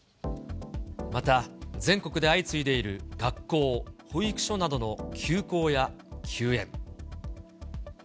また、全国で相次いでいる学校、保育所などの休校や休園。